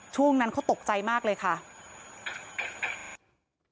ช่วงนั้นเขาตกใจมากเลยค่ะ